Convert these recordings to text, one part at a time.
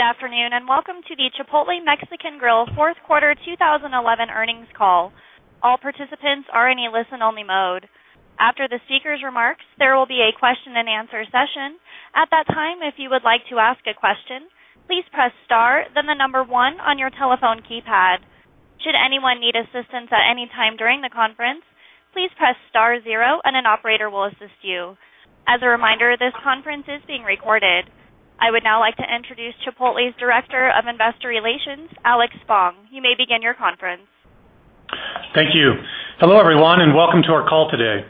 Good afternoon and welcome to the Chipotle Mexican Grill Fourth Quarter 2011 Earnings Call. All participants are in a listen-only mode. After the speaker's remarks, there will be a question and answer session. At that time, if you would like to ask a question, please press star, then the number one on your telephone keypad. Should anyone need assistance at any time during the conference, please press star zero and an operator will assist you. As a reminder, this conference is being recorded. I would now like to introduce Chipotle's Director of Investor Relations, Alex Spong. You may begin your conference. Thank you. Hello everyone and welcome to our call today.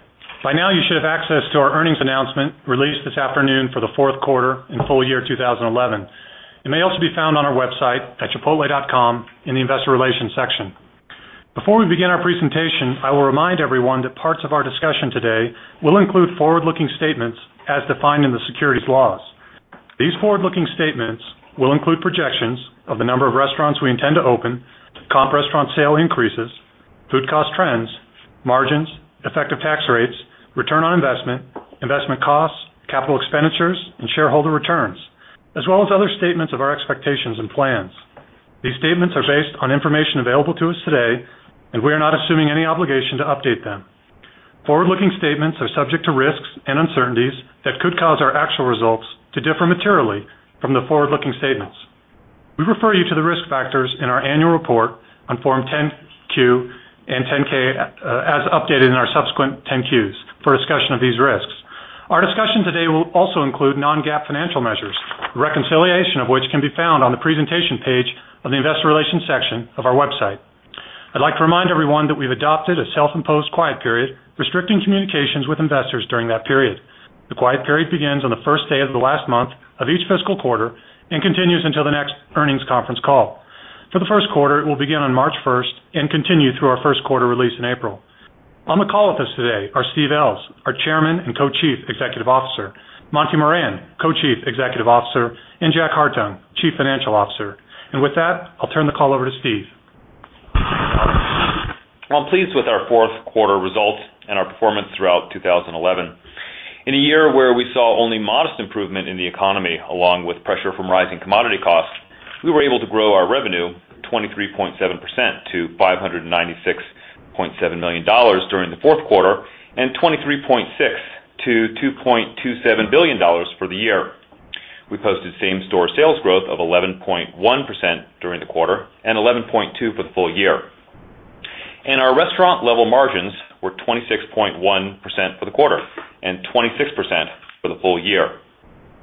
By now, you should have access to our earnings announcement released this afternoon for the fourth quarter and full year 2011. It may also be found on our website at chipotle.com in the Investor Relations section. Before we begin our presentation, I will remind everyone that parts of our discussion today will include forward-looking statements as defined in the securities laws. These forward-looking statements will include projections of the number of restaurants we intend to open, top restaurant sale increases, food cost trends, margins, effective tax rates, return on investment, investment costs, capital expenditures, and shareholder returns, as well as other statements of our expectations and plans. These statements are based on information available to us today, and we are not assuming any obligation to update them. Forward-looking statements are subject to risks and uncertainties that could cause our actual results to differ materially from the forward-looking statements. We refer you to the risk factors in our annual report on Form 10-Q and Form 10-K as updated in our subsequent Form 10-Qs for discussion of these risks. Our discussion today will also include non-GAAP financial measures, the reconciliation of which can be found on the presentation page of the Investor Relations section of our website. I'd like to remind everyone that we've adopted a self-imposed quiet period, restricting communications with investors during that period. The quiet period begins on the first day of the last month of each fiscal quarter and continues until the next earnings conference call. For the first quarter, it will begin on March 1 and continue through our first quarter release in April. On the call with us today are Steve Ells, our Chairman and Co-Chief Executive Officer, Monty Moran, Co-Chief Executive Officer, and Jack Hartung, Chief Financial Officer. With that, I'll turn the call over to Steve. Thank you, Alex. I am pleased with our fourth quarter results and our performance throughout 2011. In a year where we saw only modest improvement in the economy, along with pressure from rising commodity costs, we were able to grow our revenue 23.7% to $596.7 million during the fourth quarter and 23.6% to $2.27 billion for the year. We posted same-store sales growth of 11.1% during the quarter and 11.2% for the full year. Our restaurant-level margins were 26.1% for the quarter and 26% for the full year,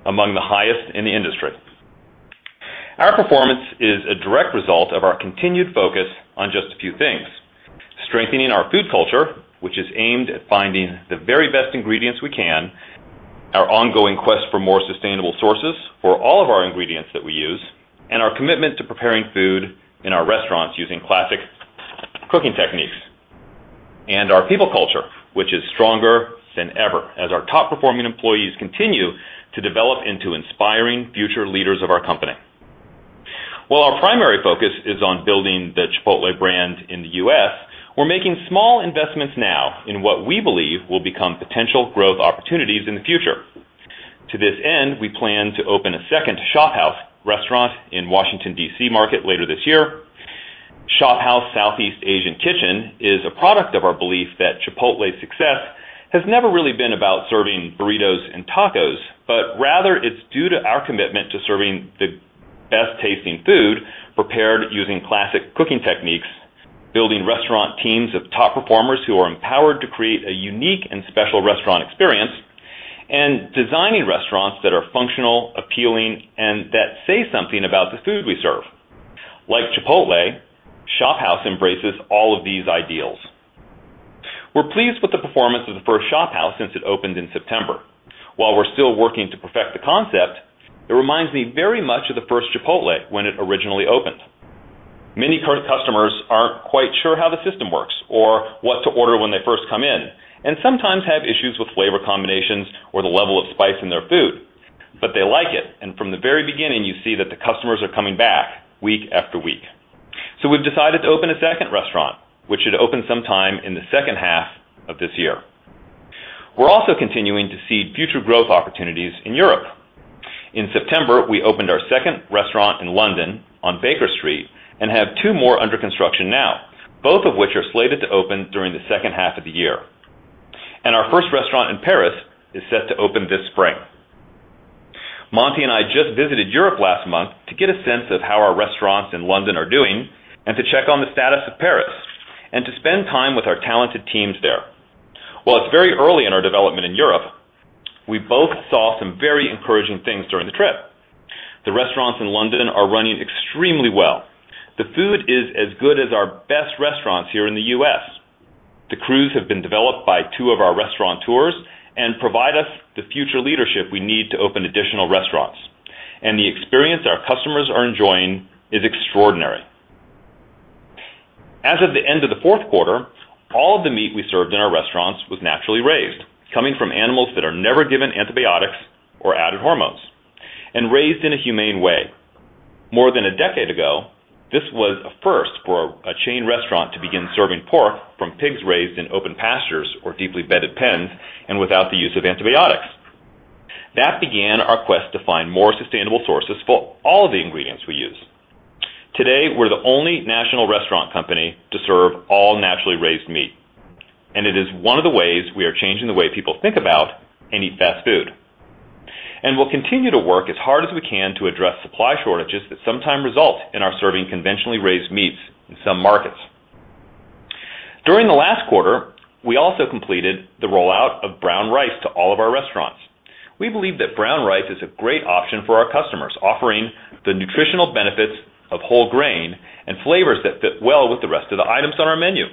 among the highest in the industry. Our performance is a direct result of our continued focus on just a few things: strengthening our food culture, which is aimed at finding the very best ingredients we can, our ongoing quest for more sustainable sources for all of our ingredients that we use, and our commitment to preparing food in our restaurants using classic cooking techniques. Our people culture is stronger than ever as our top-performing employees continue to develop into inspiring future leaders of our company. While our primary focus is on building the Chipotle brand in the U.S., we are making small investments now in what we believe will become potential growth opportunities in the future. To this end, we plan to open a second ShopHouse restaurant in the Washington, D.C. market later this year. ShopHouse Southeast Asian Kitchen is a product of our belief that Chipotle's success has never really been about serving burritos and tacos, but rather it is due to our commitment to serving the best-tasting food prepared using classic cooking techniques, building restaurant teams of top performers who are empowered to create a unique and special restaurant experience, and designing restaurants that are functional, appealing, and that say something about the food we serve. Like Chipotle, ShopHouse embraces all of these ideals. We are pleased with the performance of the first ShopHouse since it opened in September. While we are still working to perfect the concept, it reminds me very much of the first Chipotle when it originally opened. Many customers are not quite sure how the system works or what to order when they first come in, and sometimes have issues with flavor combinations or the level of spice in their food. They like it, and from the very beginning, you see that the customers are coming back week after week. We have decided to open a second restaurant, which should open sometime in the second half of this year. We're also continuing to see future growth opportunities in Europe. In September, we opened our second restaurant in London on Baker Street and have two more under construction now, both of which are slated to open during the second half of the year. Our first restaurant in Paris is set to open this spring. Monty and I just visited Europe last month to get a sense of how our restaurants in London are doing, to check on the status of Paris, and to spend time with our talented teams there. While it's very early in our development in Europe, we both saw some very encouraging things during the trip. The restaurants in London are running extremely well. The food is as good as our best restaurants here in the U.S. The crews have been developed by two of our restaurateurs and provide us the future leadership we need to open additional restaurants. The experience our customers are enjoying is extraordinary. As of the end of the fourth quarter, all of the meat we served in our restaurants was naturally raised, coming from animals that are never given antibiotics or added hormones, and raised in a humane way. More than a decade ago, this was a first for a chain restaurant to begin serving pork from pigs raised in open pastures or deeply bedded pens and without the use of antibiotics. That began our quest to find more sustainable sources for all of the ingredients we use. Today, we're the only national restaurant company to serve all naturally raised meat. It is one of the ways we are changing the way people think about and eat fast food. We'll continue to work as hard as we can to address supply shortages that sometimes result in our serving conventionally raised meats in some markets. During the last quarter, we also completed the rollout of brown rice to all of our restaurants. We believe that brown rice is a great option for our customers, offering the nutritional benefits of whole grain and flavors that fit well with the rest of the items on our menu.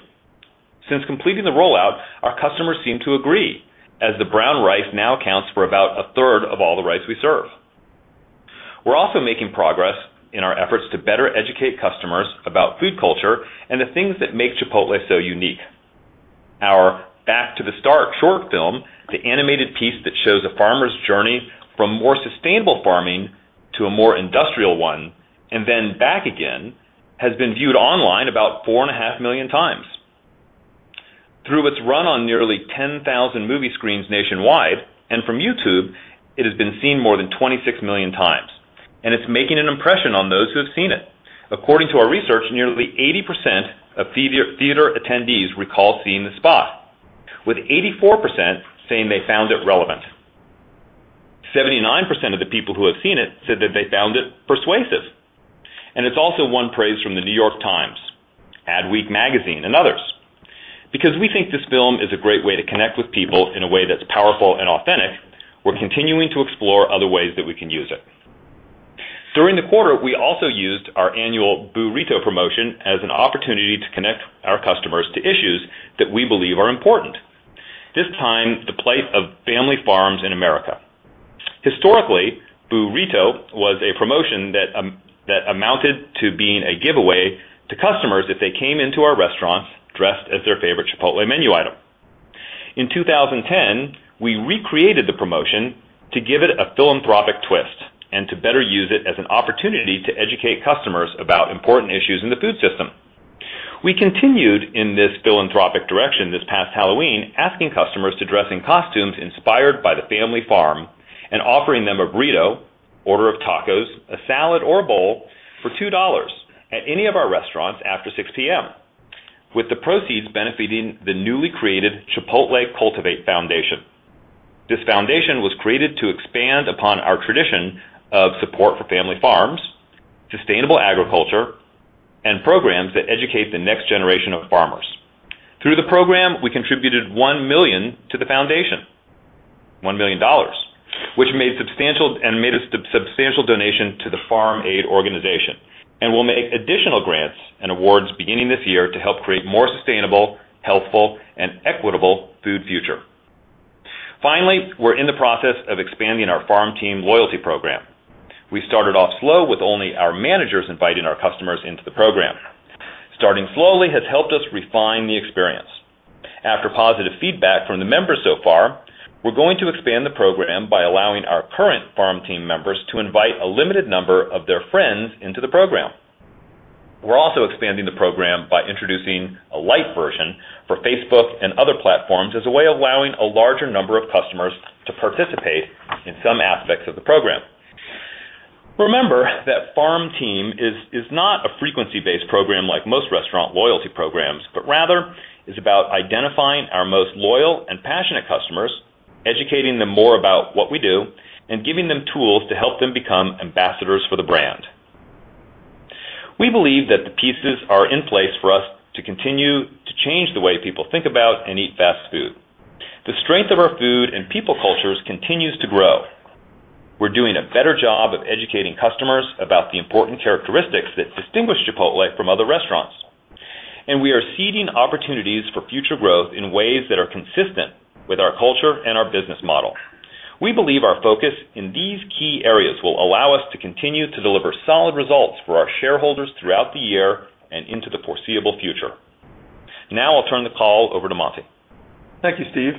Since completing the rollout, our customers seem to agree, as the brown rice now counts for about a third of all the rice we serve. We're also making progress in our efforts to better educate customers about food culture and the things that make Chipotle so unique. Our "Back to the Start" short film, the animated piece that shows a farmer's journey from more sustainable farming to a more industrial one, and then back again, has been viewed online about 4.5 million times. Through its run on nearly 10,000 movie screens nationwide and from YouTube, it has been seen more than 26 million times. It's making an impression on those who have seen it. According to our research, nearly 80% of theater attendees recalled seeing the spot, with 84% saying they found it relevant. 79% of the people who have seen it said that they found it persuasive. It's also won praise from The New York Times, ADWEEK Magazine, and others. Because we think this film is a great way to connect with people in a way that's powerful and authentic, we're continuing to explore other ways that we can use it. During the quarter, we also used our annual burrito promotion as an opportunity to connect our customers to issues that we believe are important, this time the plight of family farms in America. Historically, burrito was a promotion that amounted to being a giveaway to customers if they came into our restaurants dressed as their favorite Chipotle menu item. In 2010, we recreated the promotion to give it a philanthropic twist and to better use it as an opportunity to educate customers about important issues in the food system. We continued in this philanthropic direction this past Halloween, asking customers to dress in costumes inspired by the family farm and offering them a burrito, order of tacos, a salad, or a bowl for $2 at any of our restaurants after 6:00 P.M., with the proceeds benefiting the newly created Chipotle Cultivate Foundation. This foundation was created to expand upon our tradition of support for family farms, sustainable agriculture, and programs that educate the next generation of farmers. Through the program, we contributed $1 million to the foundation, $1 million, which made a substantial donation to the Farm Aid Organization and will make additional grants and awards beginning this year to help create a more sustainable, healthful, and equitable food future. Finally, we're in the process of expanding our farm team loyalty program. We started off slow with only our managers inviting our customers into the program. Starting slowly has helped us refine the experience. After positive feedback from the members so far, we're going to expand the program by allowing our current farm team members to invite a limited number of their friends into the program. We're also expanding the program by introducing a light version for Facebook and other platforms as a way of allowing a larger number of customers to participate in some aspects of the program. Remember that Farm Team is not a frequency-based program like most restaurant loyalty programs, but rather is about identifying our most loyal and passionate customers, educating them more about what we do, and giving them tools to help them become ambassadors for the brand. We believe that the pieces are in place for us to continue to change the way people think about and eat fast food. The strength of our food and people cultures continues to grow. We are doing a better job of educating customers about the important characteristics that distinguish Chipotle from other restaurants. We are seeding opportunities for future growth in ways that are consistent with our culture and our business model. We believe our focus in these key areas will allow us to continue to deliver solid results for our shareholders throughout the year and into the foreseeable future. Now I'll turn the call over to Monty. Thank you, Steve.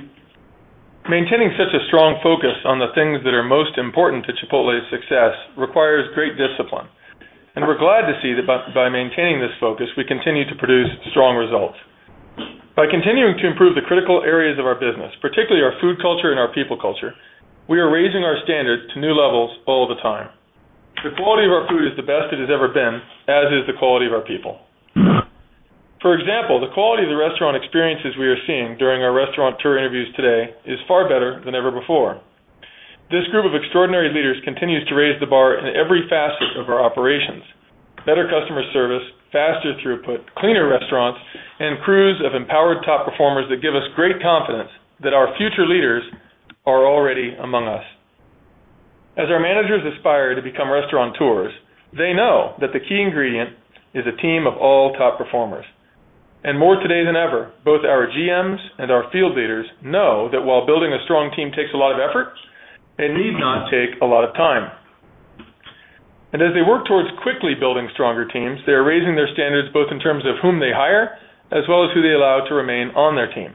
Maintaining such a strong focus on the things that are most important to Chipotle's success requires great discipline. We are glad to see that by maintaining this focus, we continue to produce strong results. By continuing to improve the critical areas of our business, particularly our food culture and our people culture, we are raising our standard to new levels all the time. The quality of our food is the best it has ever been, as is the quality of our people. For example, the quality of the restaurant experiences we are seeing during our restaurateur interviews today is far better than ever before. This group of extraordinary leaders continues to raise the bar in every facet of our operations: better customer service, faster throughput, cleaner restaurants, and crews of empowered top performers that give us great confidence that our future leaders are already among us. As our managers aspire to become restaurateurs, they know that the key ingredient is a team of all top performers. More today than ever, both our GMs and our field leaders know that while building a strong team takes a lot of effort, it need not take a lot of time. As they work towards quickly building stronger teams, they are raising their standards both in terms of whom they hire, as well as who they allow to remain on their team.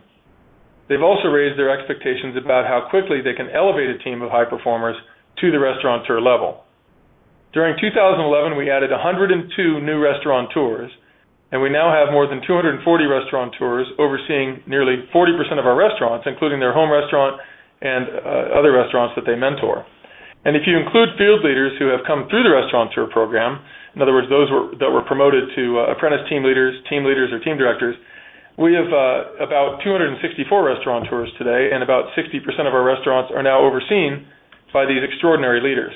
They have also raised their expectations about how quickly they can elevate a team of high performers to the restaurateur level. During 2011, we added 102 new restaurateurs, and we now have more than 240 restaurateurs overseeing nearly 40% of our restaurants, including their home restaurant and other restaurants that they mentor. If you include field leaders who have come through the restaurateur program, in other words, those that were promoted to apprentice team leaders, team leaders, or team directors, we have about 254 restaurateurs today, and about 60% of our restaurants are now overseen by these extraordinary leaders.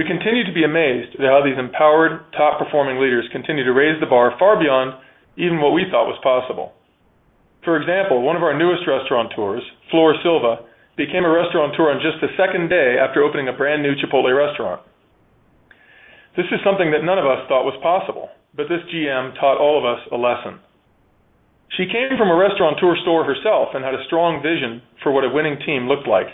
We continue to be amazed at how these empowered, top-performing leaders continue to raise the bar far beyond even what we thought was possible. For example, one of our newest restaurateurs, Flor Silva, became a restaurateur on just the second day after opening a brand new Chipotle restaurant. This is something that none of us thought was possible, but this GM taught all of us a lesson. She came from a restaurateur store herself and had a strong vision for what a winning team looked like.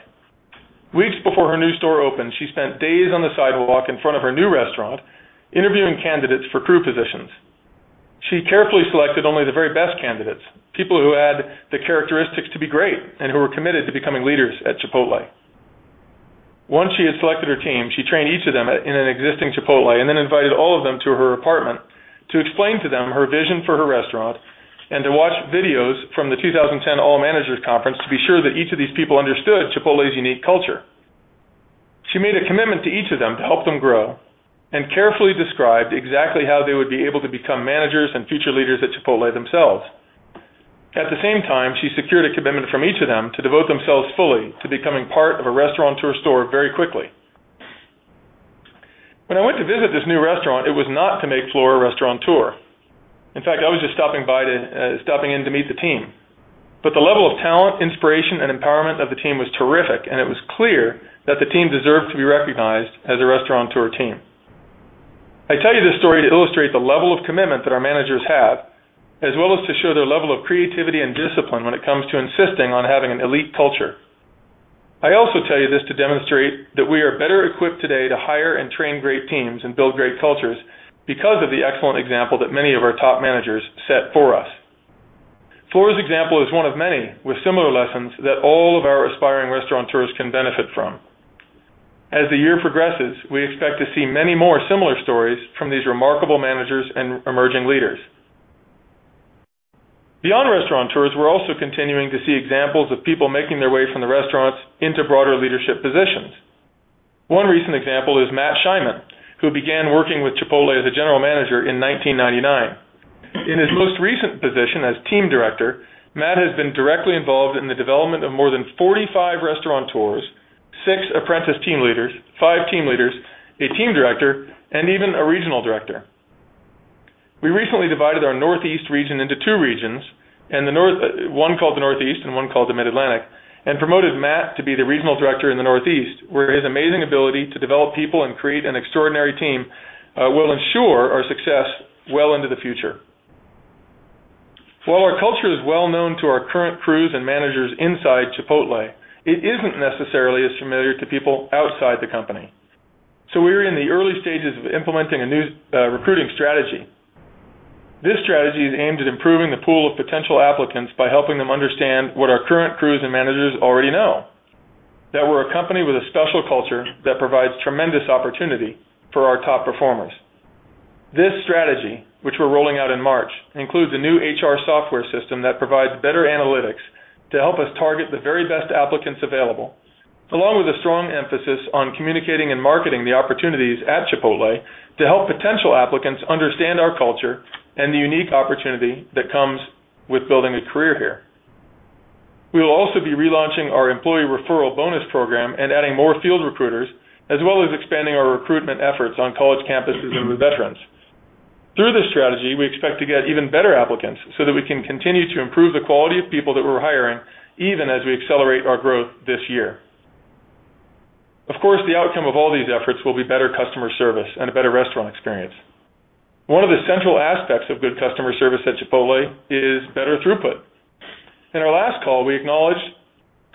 Weeks before her new store opened, she spent days on the sidewalk in front of her new restaurant interviewing candidates for crew positions. She carefully selected only the very best candidates, people who had the characteristics to be great and who were committed to becoming leaders at Chipotle. Once she had selected her team, she trained each of them in an existing Chipotle and then invited all of them to her apartment to explain to them her vision for her restaurant and to watch videos from the 2010 All Managers Conference to be sure that each of these people understood Chipotle's unique culture. She made a commitment to each of them to help them grow and carefully described exactly how they would be able to become managers and future leaders at Chipotle themselves. At the same time, she secured a commitment from each of them to devote themselves fully to becoming part of a restaurateur store very quickly. When I went to visit this new restaurant, it was not to make Flor a restaurateur. In fact, I was just stopping by to meet the team. The level of talent, inspiration, and empowerment of the team was terrific, and it was clear that the team deserved to be recognized as a restaurateur team. I tell you this story to illustrate the level of commitment that our managers have, as well as to show their level of creativity and discipline when it comes to insisting on having an elite culture. I also tell you this to demonstrate that we are better equipped today to hire and train great teams and build great cultures because of the excellent example that many of our top managers set for us. Flor's example is one of many, with similar lessons that all of our aspiring restaurateurs can benefit from. As the year progresses, we expect to see many more similar stories from these remarkable managers and emerging leaders. Beyond restaurateurs, we're also continuing to see examples of people making their way from the restaurants into broader leadership positions. One recent example is Matt Scheiman, who began working with Chipotle as a General Manager in 1999. In his most recent position as Team Director, Matt has been directly involved in the development of more than 45 restaurateurs, six Apprentice Team Leaders, five Team Leaders, a Team Director, and even a Regional Director. We recently divided our Northeast region into two regions, one called the Northeast and one called the Mid-Atlantic, and promoted Matt to be the Regional Director in the Northeast, where his amazing ability to develop people and create an extraordinary team will ensure our success well into the future. While our culture is well known to our current crews and managers inside Chipotle, it isn't necessarily as familiar to people outside the company. We are in the early stages of implementing a new recruiting strategy. This strategy is aimed at improving the pool of potential applicants by helping them understand what our current crews and managers already know, that we're a company with a special culture that provides tremendous opportunity for our top performers. This strategy, which we're rolling out in March, includes a new HR software system that provides better analytics to help us target the very best applicants available, along with a strong emphasis on communicating and marketing the opportunities at Chipotle to help potential applicants understand our culture and the unique opportunity that comes with building a career here. We will also be relaunching our employee referral bonus program and adding more field recruiters, as well as expanding our recruitment efforts on college campuses and with veterans. Through this strategy, we expect to get even better applicants so that we can continue to improve the quality of people that we're hiring, even as we accelerate our growth this year. Of course, the outcome of all these efforts will be better customer service and a better restaurant experience. One of the central aspects of good customer service at Chipotle is better throughput. In our last call, we acknowledged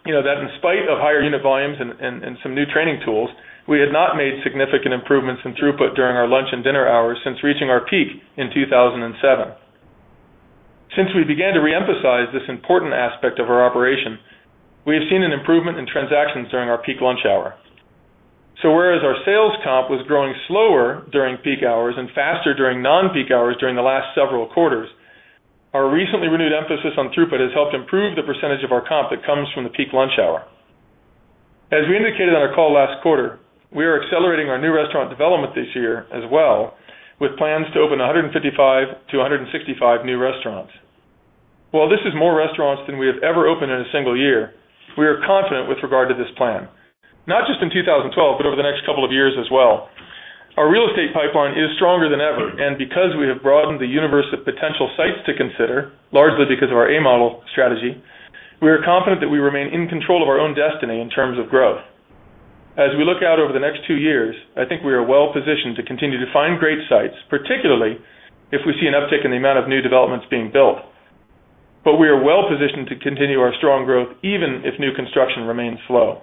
that in spite of higher unit volumes and some new training tools, we had not made significant improvements in throughput during our lunch and dinner hours since reaching our peak in 2007. Since we began to reemphasize this important aspect of our operation, we have seen an improvement in transactions during our peak lunch hour. Whereas our sales comp was growing slower during peak hours and faster during non-peak hours during the last several quarters, our recently renewed emphasis on throughput has helped improve the percentage of our comp that comes from the peak lunch hour. As we indicated on our call last quarter, we are accelerating our new restaurant development this year as well, with plans to open 155-165 new restaurants. While this is more restaurants than we have ever opened in a single year, we are confident with regard to this plan, not just in 2012, but over the next couple of years as well. Our real estate pipeline is stronger than ever, and because we have broadened the universe of potential sites to consider, largely because of our A-model strategy, we are confident that we remain in control of our own destiny in terms of growth. As we look out over the next two years, I think we are well-positioned to continue to find great sites, particularly if we see an uptick in the amount of new developments being built. We are well-positioned to continue our strong growth, even if new construction remains slow.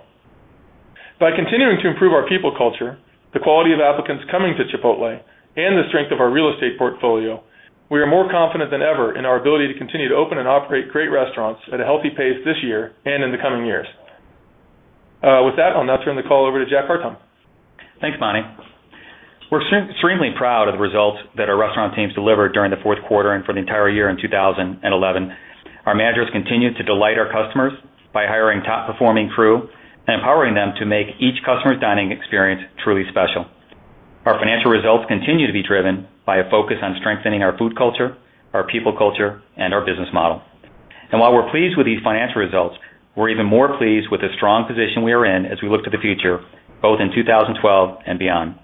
By continuing to improve our people culture, the quality of applicants coming to Chipotle, and the strength of our real estate portfolio, we are more confident than ever in our ability to continue to open and operate great restaurants at a healthy pace this year and in the coming years. With that, I'll now turn the call over to Jack Hartung. Thanks, Monty. We're extremely proud of the results that our restaurant teams delivered during the fourth quarter and for the entire year in 2011. Our managers continue to delight our customers by hiring top-performing crew and empowering them to make each customer's dining experience truly special. Our financial results continue to be driven by a focus on strengthening our food culture, our people culture, and our business model. While we're pleased with these financial results, we're even more pleased with the strong position we are in as we look to the future, both in 2012 and beyond.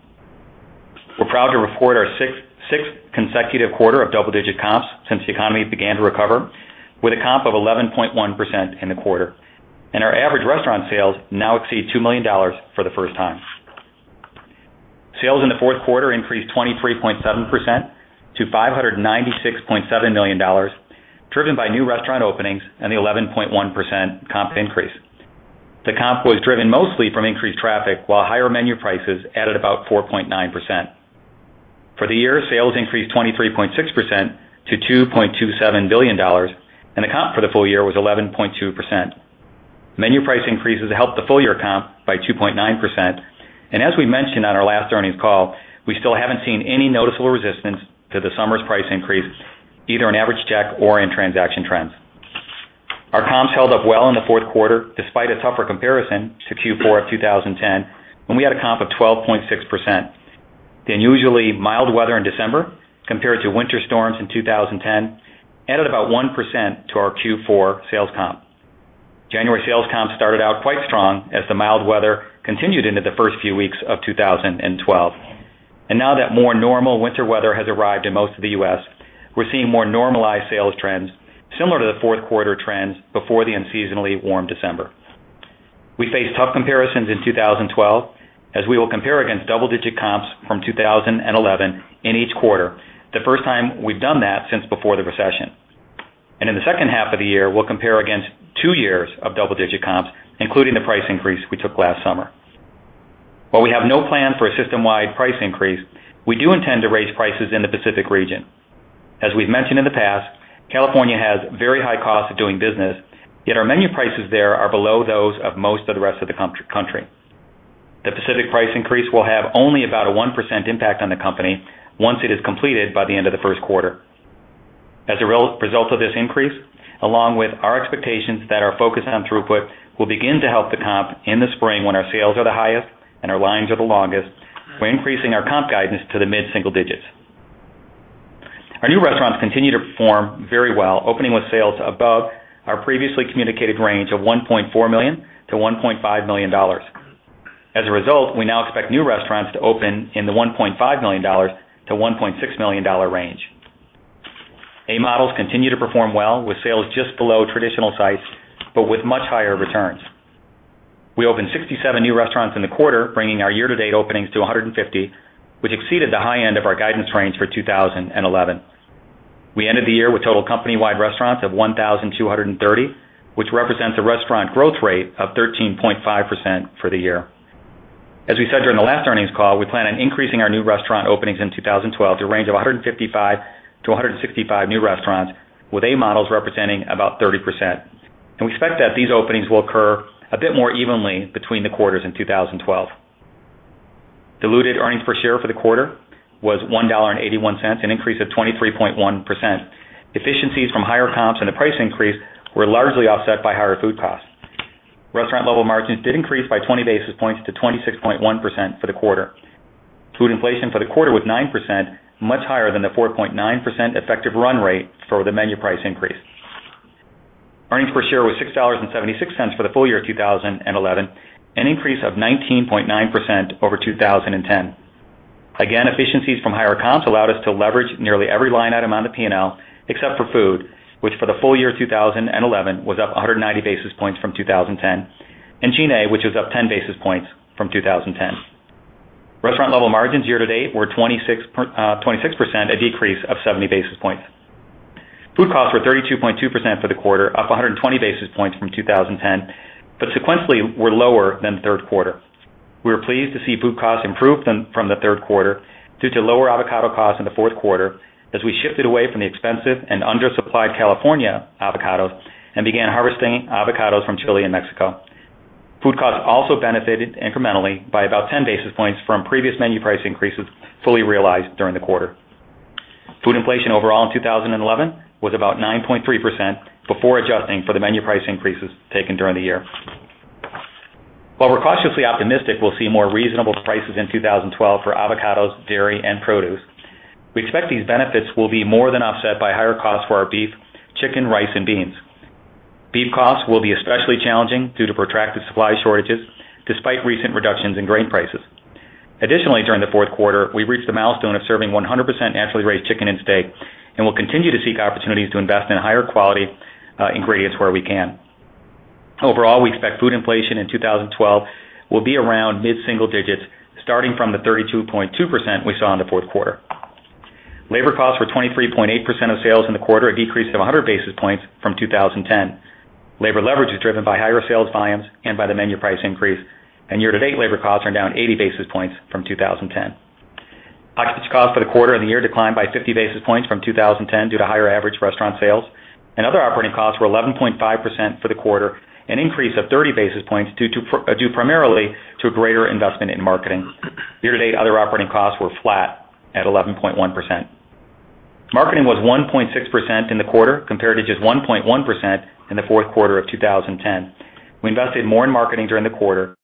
We're proud to report our sixth consecutive quarter of double-digit comps since the economy began to recover, with a comp of 11.1% in the quarter. Our average restaurant sales now exceed $2 million for the first time. Sales in the fourth quarter increased 23.7% to $596.7 million, driven by new restaurant openings and the 11.1% comp increase. The comp was driven mostly from increased traffic, while higher menu prices added about 4.9%. For the year, sales increased 23.6% to $2.27 billion, and the comp for the full year was 11.2%. Menu price increases helped the full year comp by 2.9%. As we mentioned on our last earnings call, we still haven't seen any noticeable resistance to the summer's price increases, either in average checks or in transaction trends. Our comps held up well in the fourth quarter, despite a tougher comparison to Q4 of 2010, when we had a comp of 12.6%. The unusually mild weather in December, compared to winter storms in 2010, added about 1% to our Q4 sales comp. January sales comps started out quite strong as the mild weather continued into the first few weeks of 2012. Now that more normal winter weather has arrived in most of the U.S., we're seeing more normalized sales trends, similar to the fourth quarter trends before the unseasonally warm December. We faced tough comparisons in 2012, as we will compare against double-digit comps from 2011 in each quarter, the first time we've done that since before the recession. In the second half of the year, we'll compare against two years of double-digit comps, including the price increase we took last summer. While we have no plan for a system-wide price increase, we do intend to raise prices in the Pacific region. As we've mentioned in the past, California has very high costs of doing business, yet our menu prices there are below those of most of the rest of the country. The Pacific price increase will have only about a 1% impact on the company once it is completed by the end of the first quarter. As a result of this increase, along with our expectations that our focus on throughput will begin to help the comp in the spring when our sales are the highest and our lines are the longest, we're increasing our comp guidance to the mid-single digits. Our new restaurants continue to perform very well, opening with sales above our previously communicated range of $1.4 million-$1.5 million. As a result, we now expect new restaurants to open in the $1.5 million-$1.6 million range. A-models continue to perform well with sales just below traditional sites, but with much higher returns. We opened 67 new restaurants in the quarter, bringing our year-to-date openings to 150, which exceeded the high end of our guidance range for 2011. We ended the year with total company-wide restaurants of 1,230, which represents a restaurant growth rate of 13.5% for the year. As we said during the last earnings call, we plan on increasing our new restaurant openings in 2012 to a range of 155-165 new restaurants, with A-models representing about 30%. We expect that these openings will occur a bit more evenly between the quarters in 2012. Diluted earnings per share for the quarter was $1.81, an increase of 23.1%. Efficiencies from higher comps and the price increase were largely offset by higher food costs. Restaurant-level margins did increase by 20 basis points to 26.1% for the quarter. Food inflation for the quarter was 9%, much higher than the 4.9% effective run rate for the menu price increase. Earnings per share were $6.76 for the full year of 2011, an increase of 19.9% over 2010. Efficiencies from higher comps allowed us to leverage nearly every line item on the P&L, except for food, which for the full year of 2011 was up 190 basis points from 2010, and G&A, which was up 10 basis points from 2010. Restaurant-level margins year-to-date were 26%, a decrease of 70 basis points. Food costs were 32.2% for the quarter, up 120 basis points from 2010, but sequentially were lower than the third quarter. We were pleased to see food costs improve from the third quarter due to lower avocado costs in the fourth quarter, as we shifted away from the expensive and undersupplied California avocados and began harvesting avocados from Chile and Mexico. Food costs also benefited incrementally by about 10 basis points from previous menu price increases fully realized during the quarter. Food inflation overall in 2011 was about 9.3% before adjusting for the menu price increases taken during the year. While we're cautiously optimistic we'll see more reasonable prices in 2012 for avocados, dairy, and produce, we expect these benefits will be more than offset by higher costs for our beef, chicken, rice, and beans. Beef costs will be especially challenging due to protracted supply shortages, despite recent reductions in grain prices. Additionally, during the fourth quarter, we reached the milestone of serving 100% naturally raised chicken and steak, and we'll continue to seek opportunities to invest in higher quality ingredients where we can. Overall, we expect food inflation in 2012 will be around mid-single digits, starting from the 32.2% we saw in the fourth quarter. Labor costs were 23.8% of sales in the quarter, a decrease of 100 basis points from 2010. Labor leverage is driven by higher sales volumes and by the menu price increase, and year-to-date labor costs are down 80 basis points from 2010. Occupancy costs for the quarter declined by 50 basis points from 2010 due to higher average restaurant sales, and other operating costs were 11.5% for the quarter, an increase of 30 basis points due primarily to a greater investment in marketing. Year-to-date other operating costs were flat at 11.1%. Marketing was 1.6% in the quarter, compared to just 1.1% in the fourth quarter of 2010. We invested more in marketing during the quarter,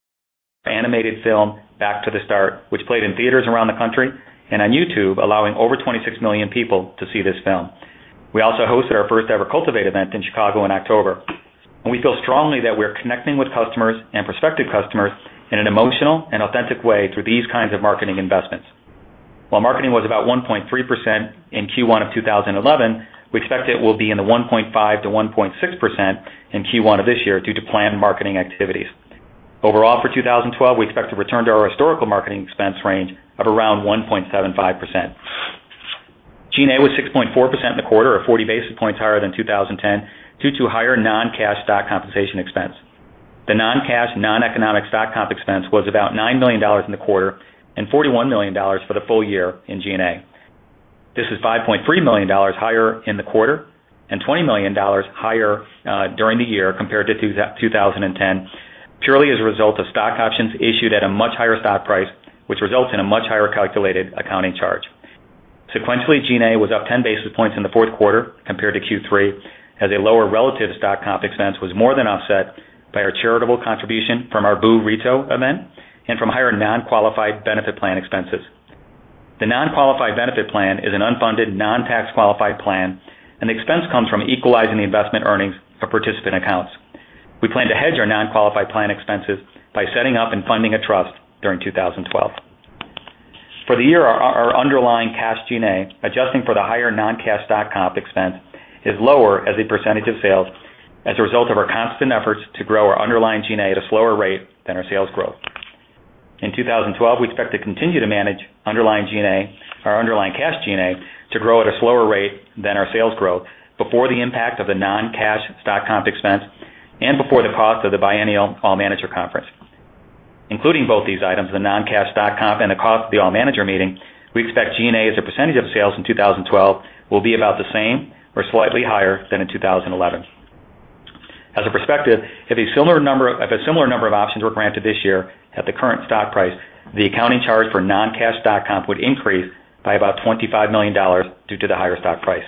animated film "Back to the Start," which played in theaters around the country and on YouTube, allowing over 26 million people to see this film. We also hosted our first-ever Cultivate event in Chicago in October. We feel strongly that we're connecting with customers and prospective customers in an emotional and authentic way through these kinds of marketing investments. While marketing was about 1.3% in Q1 of 2011, we expect it will be in the 1.5%-1.6% in Q1 of this year due to planned marketing activities. Overall, for 2012, we expect to return to our historical marketing expense range of around 1.75%. G&A was 6.4% in the quarter, 40 basis points higher than 2010, due to higher non-cash stock compensation expense. The non-cash, non-economic stock comp expense was about $9 million in the quarter and $41 million for the full year in G&A. This is $5.3 million higher in the quarter and $20 million higher during the year compared to 2010, purely as a result of stock options issued at a much higher stock price, which results in a much higher calculated accounting charge. Sequentially, G&A was up 10 basis points in the fourth quarter compared to Q3, as a lower relative stock comp expense was more than offset by our charitable contribution from our burrito event and from higher non-qualified benefit plan expenses. The non-qualified benefit plan is an unfunded non-tax qualified plan, and the expense comes from equalizing the investment earnings for participant accounts. We plan to hedge our non-qualified plan expenses by setting up and funding a trust during 2012. For the year, our underlying cash G&A, adjusting for the higher non-cash stock comp expense, is lower as a percentage of sales as a result of our constant efforts to grow our underlying G&A at a slower rate than our sales growth. In 2012, we expect to continue to manage underlying G&A, our underlying cash G&A, to grow at a slower rate than our sales growth before the impact of the non-cash stock comp expense and before the costs of the biennial All Manager Conference. Including both these items, the non-cash stock comp and the cost of the All Manager meeting, we expect G&A as a percentage of sales in 2012 will be about the same or slightly higher than in 2011. As a perspective, if a similar number of options were granted this year at the current stock price, the accounting charge for non-cash stock comp would increase by about $25 million due to the higher stock price.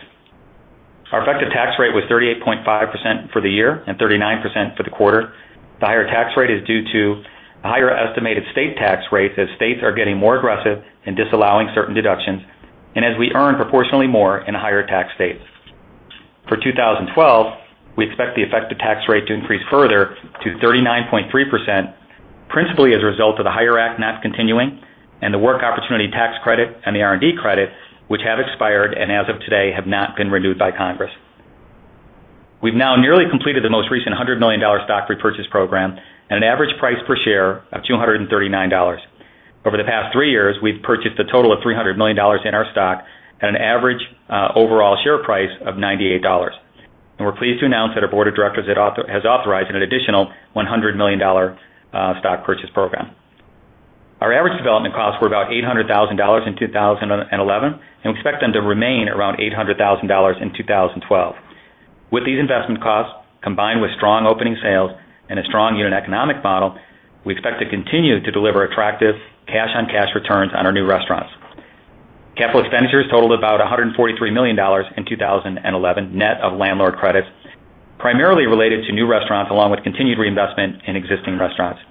Our effective tax rate was 38.5% for the year and 39% for the quarter. The higher tax rate is due to higher estimated state tax rates as states are getting more aggressive in disallowing certain deductions and as we earn proportionately more in higher tax states. For 2012, we expect the effective tax rate to increase further to 39.3%, principally as a result of the HIRE Act not continuing and the Work Opportunity Tax Credit and the R&D Credit, which have expired and as of today have not been renewed by Congress. We've now nearly completed the most recent $100 million stock repurchase program at an average price per share of $239. Over the past three years, we've purchased a total of $300 million in our stock at an average overall share price of $98. We're pleased to announce that our board of directors has authorized an additional $100 million stock purchase program. Our average development costs were about $800,000 in 2011, and we expect them to remain around $800,000 in 2012. With these investment costs combined with strong opening sales and a strong unit economic model, we expect to continue to deliver attractive cash-on-cash returns on our new restaurants. Capital expenditures totaled about $143 million in 2011, net of landlord credits, primarily related to new restaurants along with continued reinvestment in existing restaurants.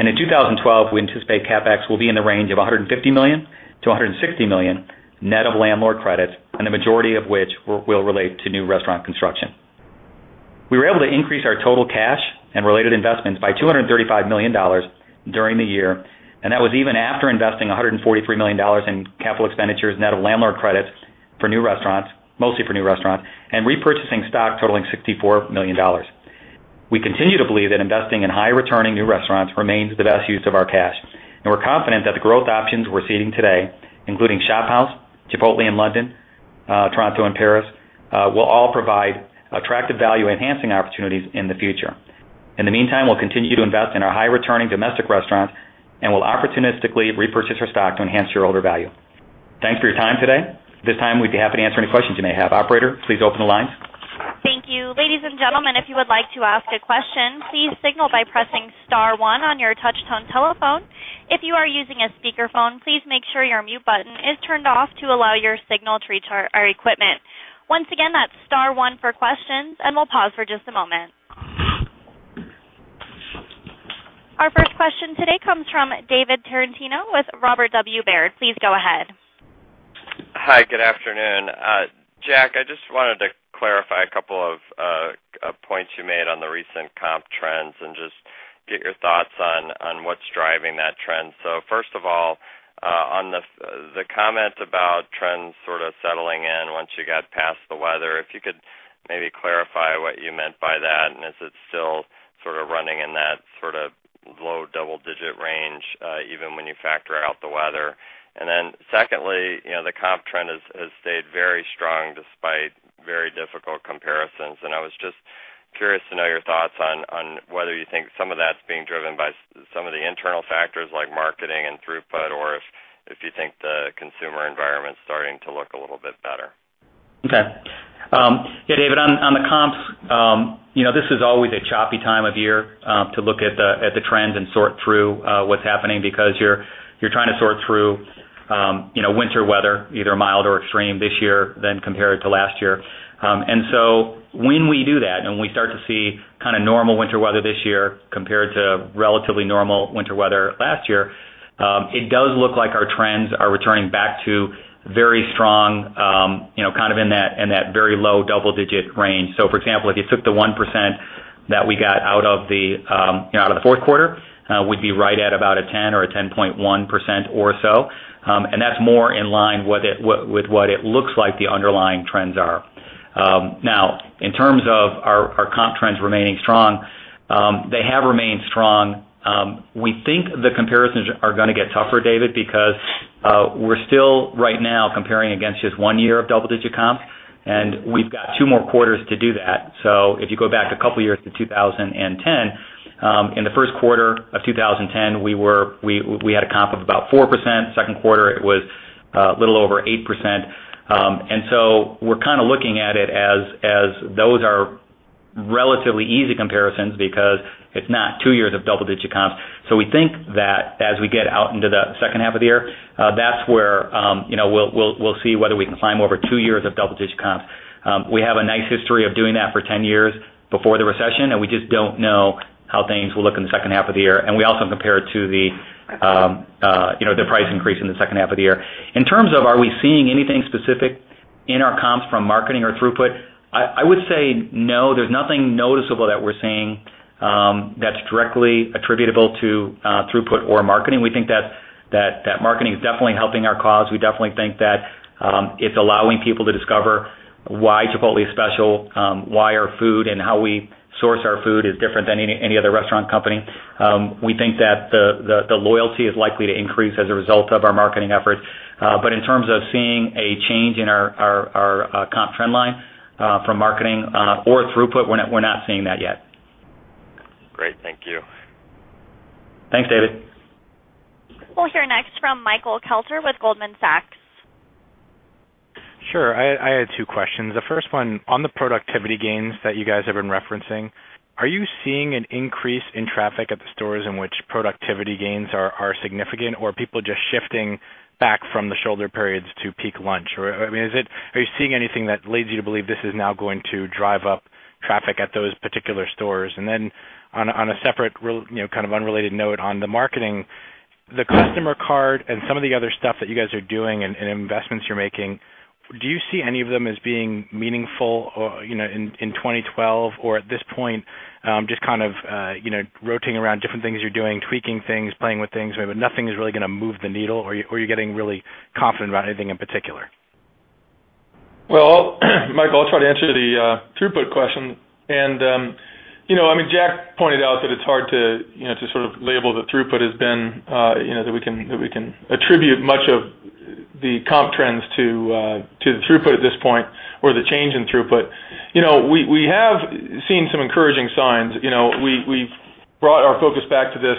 In 2012, we anticipate CapEx will be in the range of $150 million-$160 million net of landlord credits, the majority of which will relate to new restaurant construction. We were able to increase our total cash and related investments by $235 million during the year, and that was even after investing $143 million in capital expenditures net of landlord credits for new restaurants, mostly for new restaurants, and repurchasing stock totaling $64 million. We continue to believe that investing in high-returning new restaurants remains the best use of our cash, and we're confident that the growth options we're seeing today, including ShopHouse, Chipotle in London, Toronto, and Paris, will all provide attractive value-enhancing opportunities in the future. In the meantime, we'll continue to invest in our high-returning domestic restaurants and will opportunistically repurchase our stock to enhance your order value. Thanks for your time today. At this time, we'd be happy to answer any questions you may have. Operator, please open the lines. Thank you. Ladies and gentlemen, if you would like to ask a question, please signal by pressing star one on your touch-tone telephone. If you are using a speakerphone, please make sure your mute button is turned off to allow your signal to reach our equipment. Once again, that's star one for questions, and we'll pause for just a moment. Our first question today comes from David Tarantino with Robert W. Baird. Please go ahead. Hi, good afternoon. Jack, I just wanted to clarify a couple of points you made on the recent comp trends and get your thoughts on what's driving that trend. First of all, on the comments about trends sort of settling in once you got past the weather, if you could maybe clarify what you meant by that, and is it still sort of running in that low double-digit range even when you factor out the weather? Secondly, the comp trend has stayed very strong despite very difficult comparisons. I was just curious to know your thoughts on whether you think some of that's being driven by some of the internal factors like marketing and throughput or if you think the consumer environment's starting to look a little bit better. Okay. Yeah, David, on the comps, this is always a choppy time of year to look at the trends and sort through what's happening because you're trying to sort through winter weather, either mild or extreme this year compared to last year. When we do that and we start to see kind of normal winter weather this year compared to relatively normal winter weather last year, it does look like our trends are returning back to very strong, kind of in that very low double-digit range. For example, if you took the 1% that we got out of the fourth quarter, we'd be right at about a 10% or a 10.1% or so. That's more in line with what it looks like the underlying trends are. In terms of our comp trends remaining strong, they have remained strong. We think the comparisons are going to get tougher, David, because we're still right now comparing against just one year of double-digit comps, and we've got two more quarters to do that. If you go back a couple of years to 2010, in the first quarter of 2010, we had a comp of about 4%. Second quarter, it was a little over 8%. We're kind of looking at it as those are relatively easy comparisons because it's not two years of double-digit comps. We think that as we get out into the second half of the year, that's where we'll see whether we can climb over two years of double-digit comps. We have a nice history of doing that for 10 years before the recession, and we just don't know how things will look in the second half of the year. We also compare it to the price increase in the second half of the year. In terms of are we seeing anything specific in our comps from marketing or throughput, I would say no, there's nothing noticeable that we're seeing that's directly attributable to throughput or marketing. We think that marketing is definitely helping our cause. We definitely think that it's allowing people to discover why Chipotle is special, why our food and how we source our food is different than any other restaurant company. We think that the loyalty is likely to increase as a result of our marketing efforts. In terms of seeing a change in our comp trend line from marketing or throughput, we're not seeing that yet. Great, thank you. Thanks, David. We'll hear next from Michael Kelter with Goldman Sachs. Sure, I had two questions. The first one on the productivity gains that you guys have been referencing. Are you seeing an increase in traffic at the stores in which productivity gains are significant, or are people just shifting back from the shoulder periods to peak lunch? I mean, are you seeing anything that leads you to believe this is now going to drive up traffic at those particular stores? On a separate, kind of unrelated note on the marketing, the customer card and some of the other stuff that you guys are doing and investments you're making, do you see any of them as being meaningful in 2012 or at this point, just kind of rotating around different things you're doing, tweaking things, playing with things, but nothing is really going to move the needle, or are you getting really confident about anything in particular? Michael, I'll try to answer the throughput question. Jack pointed out that it's hard to label that throughput has been, that we can attribute much of the comp trends to the throughput at this point or the change in throughput. We have seen some encouraging signs. We brought our focus back to this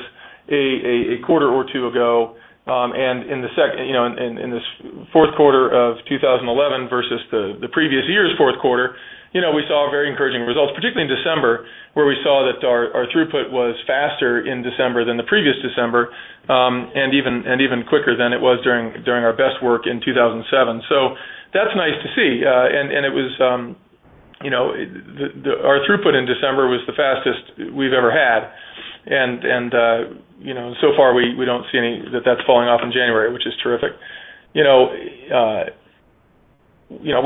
a quarter or two ago. In this fourth quarter of 2011 versus the previous year's fourth quarter, we saw very encouraging results, particularly in December, where we saw that our throughput was faster in December than the previous December and even quicker than it was during our best work in 2007. That's nice to see. Our throughput in December was the fastest we've ever had. So far we don't see any that that's falling off in January, which is terrific.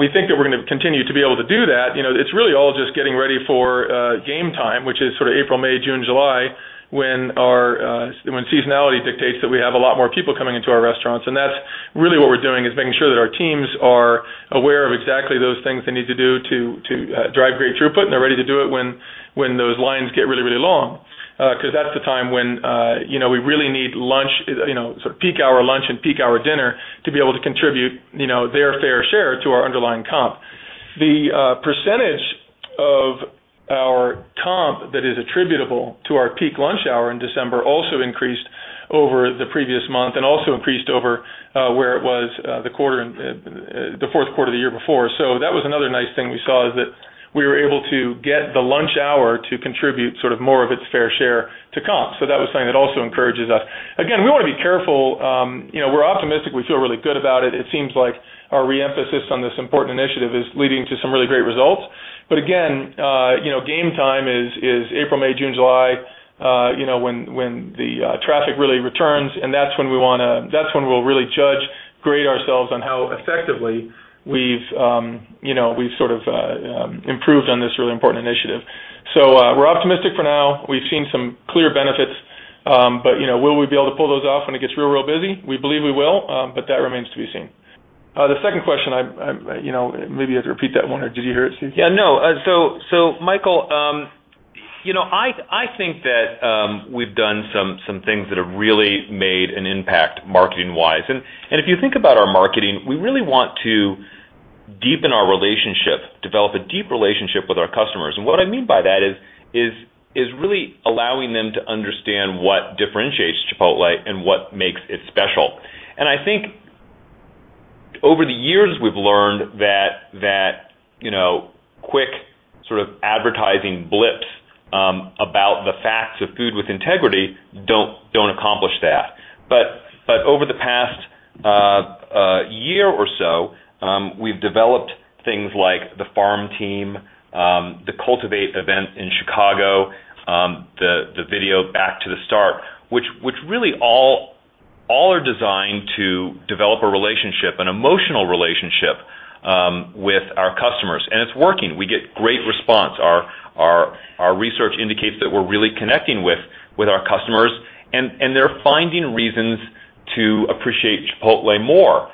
We think that we're going to continue to be able to do that. It's really all just getting ready for game time, which is sort of April, May, June, July, when seasonality dictates that we have a lot more people coming into our restaurants. That's really what we're doing, making sure that our teams are aware of exactly those things they need to do to drive great throughput, and they're ready to do it when those lines get really, really long. That's the time when we really need lunch, sort of peak hour lunch and peak hour dinner to be able to contribute their fair share to our underlying comp. The percentage of our comp that is attributable to our peak lunch hour in December also increased over the previous month and also increased over where it was the quarter in the fourth quarter of the year before. That was another nice thing we saw, that we were able to get the lunch hour to contribute more of its fair share to comp. That was something that also encourages us. We want to be careful. We're optimistic. We feel really good about it. It seems like our re-emphasis on this important initiative is leading to some really great results. Game time is April, May, June, July, when the traffic really returns, and that's when we'll really judge, grade ourselves on how effectively we've improved on this really important initiative. We're optimistic for now. We've seen some clear benefits, but will we be able to pull those off when it gets real, real busy? We believe we will, but that remains to be seen. The second question, maybe you have to repeat that one, or did you hear it, Steve? No. Michael, I think that we've done some things that have really made an impact marketing-wise. If you think about our marketing, we really want to deepen our relationship, develop a deep relationship with our customers. What I mean by that is really allowing them to understand what differentiates Chipotle and what makes it special. I think over the years, we've learned that quick sort of advertising blips about the facts of food with integrity don't accomplish that. Over the past year or so, we've developed things like the farm team, the Cultivate event in Chicago, the video "Back to the Start," which really all are designed to develop a relationship, an emotional relationship with our customers. It's working. We get great response. Our research indicates that we're really connecting with our customers, and they're finding reasons to appreciate Chipotle more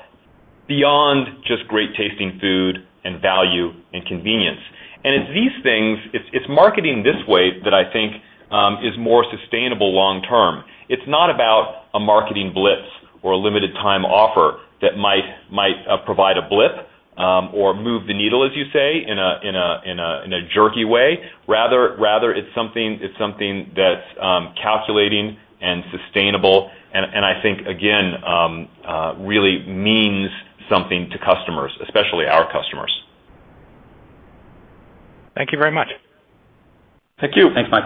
beyond just great tasting food and value and convenience. It's these things, it's marketing this way that I think is more sustainable long term. It's not about a marketing blitz or a limited-time offer that might provide a blip or move the needle, as you say, in a jerky way. Rather, it's something that's calculating and sustainable, and I think, again, really means something to customers, especially our customers. Thank you very much. Thank you. Thanks, Mike.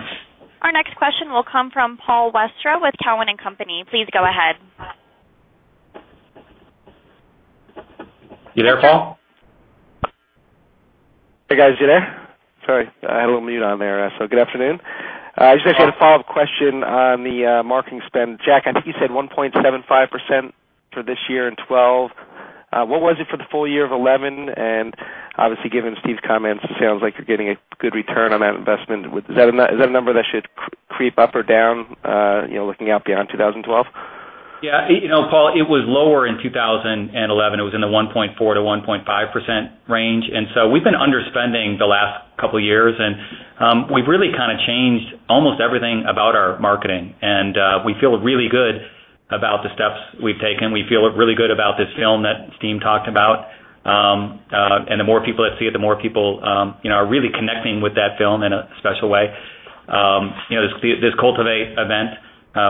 Our next question will come from Paul Westra with Cowen and Company. Please go ahead. You there, Paul? Hey, guys, you there? Sorry, I had a little mute on there. Good afternoon. I just actually had a follow-up question on the marketing spend. Jack, I think you said 1.75% for this year in 2012. What was it for the full year of 2011? Obviously, given Steve's comments, it sounds like you're getting a good return on that investment. Is that a number that should creep up or down, you know, looking out beyond 2012? Yeah, you know, Paul, it was lower in 2011. It was in the 1.4%-1.5% range. We've been underspending the last couple of years, and we've really kind of changed almost everything about our marketing. We feel really good about the steps we've taken. We feel really good about this film that Steve talked about. The more people that see it, the more people are really connecting with that film in a special way. This Cultivate event,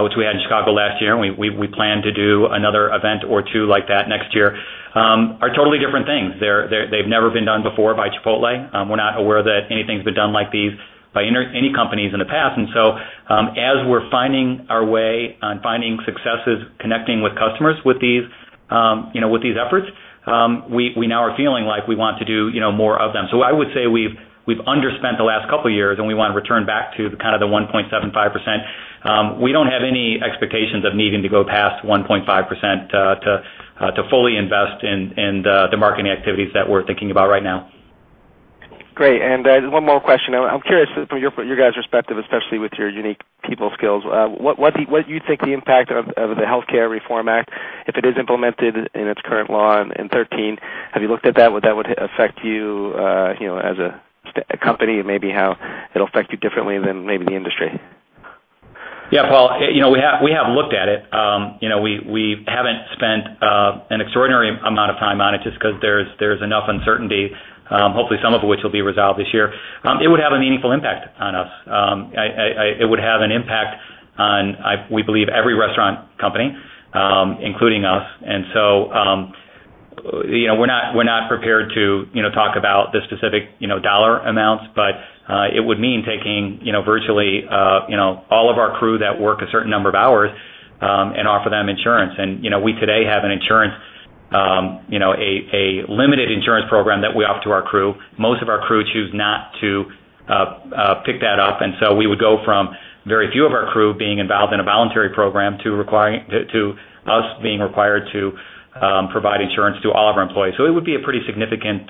which we had in Chicago last year, and we plan to do another event or two like that next year, are totally different things. They've never been done before by Chipotle. We're not aware that anything's been done like these by any companies in the past. As we're finding our way and finding successes connecting with customers with these efforts, we now are feeling like we want to do more of them. I would say we've underspent the last couple of years, and we want to return back to kind of the 1.75%. We don't have any expectations of needing to go past 1.5% to fully invest in the marketing activities that we're thinking about right now. Great. One more question. I'm curious from your guys' perspective, especially with your unique people skills, what do you think the impact of the Healthcare Reform Act, if it is implemented in its current law in 2013, have you looked at that? Would that affect you, you know, as a company and maybe how it'll affect you differently than maybe the industry? Yeah, Paul, you know, we have looked at it. We haven't spent an extraordinary amount of time on it just because there's enough uncertainty, hopefully some of which will be resolved this year. It would have a meaningful impact on us. It would have an impact on, we believe, every restaurant company, including us. We're not prepared to talk about the specific dollar amounts, but it would mean taking virtually all of our crew that work a certain number of hours and offer them insurance. We today have a limited insurance program that we offer to our crew. Most of our crew choose not to pick that up. We would go from very few of our crew being involved in a voluntary program to us being required to provide insurance to all of our employees. It would be a pretty significant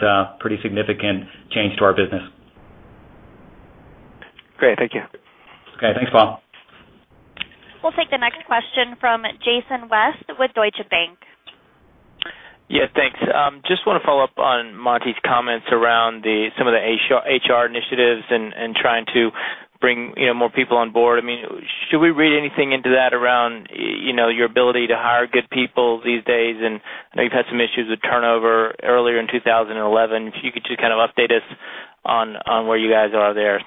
change to our business. Great, thank you. Okay, thanks, Paul. We'll take the next question from Jason West with Deutsche Bank. Yeah, thanks. Just want to follow up on Monty's comments around some of the HR initiatives and trying to bring more people on board. I mean, should we read anything into that around your ability to hire good people these days? I know you've had some issues with turnover earlier in 2011. If you could just kind of update us on where you guys are there.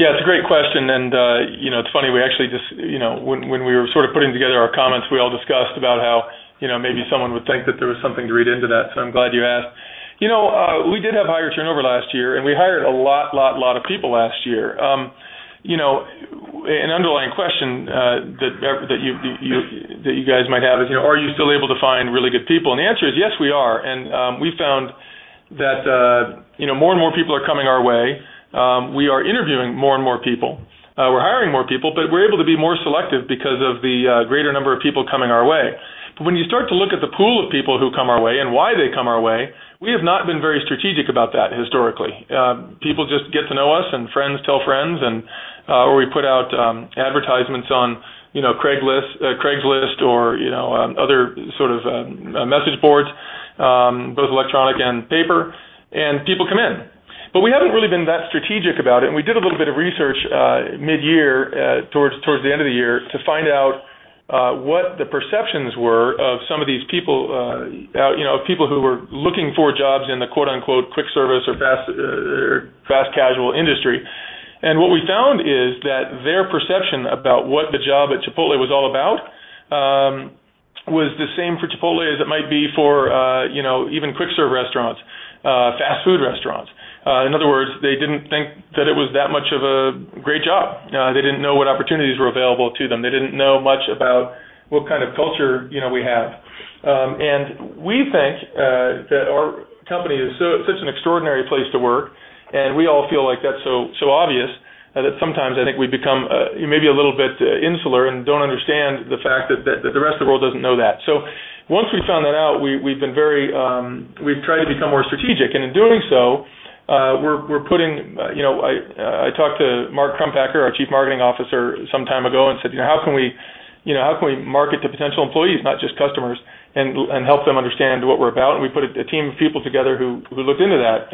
Yeah. It's a great question. It's funny, we actually just, when we were sort of putting together our comments, we all discussed about how maybe someone would think that there was something to read into that. I'm glad you asked. We did have higher turnover last year, and we hired a lot, lot, lot of people last year. An underlying question that you guys might have is, are you still able to find really good people? The answer is yes, we are. We found that more and more people are coming our way. We are interviewing more and more people. We're hiring more people, but we're able to be more selective because of the greater number of people coming our way. When you start to look at the pool of people who come our way and why they come our way, we have not been very strategic about that historically. People just get to know us and friends tell friends, or we put out advertisements on Craigslist or other sort of message boards, both electronic and paper, and people come in. We haven't really been that strategic about it. We did a little bit of research mid-year towards the end of the year to find out what the perceptions were of some of these people, people who were looking for jobs in the "quick service" or "fast casual" industry. What we found is that their perception about what the job at Chipotle was all about was the same for Chipotle as it might be for even quick serve restaurants, fast food restaurants. In other words, they didn't think that it was that much of a great job. They didn't know what opportunities were available to them. They didn't know much about what kind of culture we have. We think that our company is such an extraordinary place to work, and we all feel like that's so obvious that sometimes I think we become maybe a little bit insular and don't understand the fact that the rest of the world doesn't know that. Once we found that out, we've tried to become more strategic. In doing so, we're putting, you know, I talked to Mark Crumpacker, our Chief Marketing Officer, some time ago and said, you know, how can we, you know, how can we market to potential employees, not just customers, and help them understand what we're about? We put a team of people together who looked into that.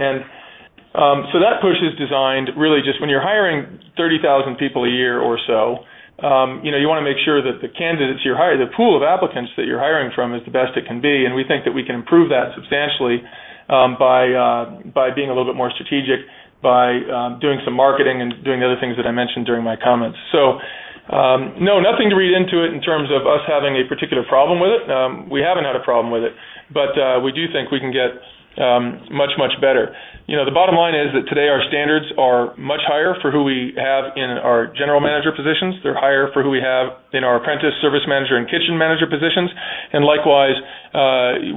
That push is designed really just when you're hiring 30,000 people a year or so, you want to make sure that the candidates you're hiring, the pool of applicants that you're hiring from is the best it can be. We think that we can improve that substantially by being a little bit more strategic, by doing some marketing and doing the other things that I mentioned during my comments. No, nothing to read into it in terms of us having a particular problem with it. We haven't had a problem with it, but we do think we can get much, much better. The bottom line is that today our standards are much higher for who we have in our General Manager positions. They're higher for who we have in our Apprentice, Service Manager, and Kitchen Manager positions. Likewise,